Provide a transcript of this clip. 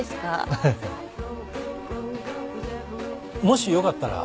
もしよかったら。